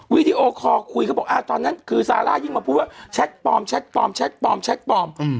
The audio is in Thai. วิดีโอคอลคุยเขาบอกตอนนั้นคือซาร่ายิ่งมาพูดว่าแชทปลอมแชทปลอมแชทปลอมแชทปลอม